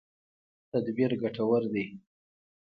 تدبیر ګټور دی.